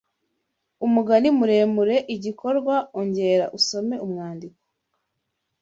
Umugani muremure Igikorwa Ongera usome umwandiko